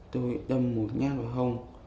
tôi đâm một nhát vào hông